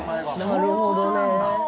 そういうことなんだ。